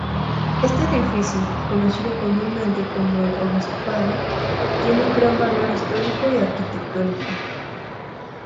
Este edificio, conocido comúnmente como el Obispado, tiene un gran valor histórico y arquitectónico.